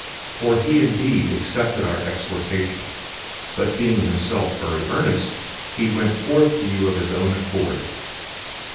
008:017 For he indeed accepted our exhortation, but being himself very earnest, he went out to you of his own accord.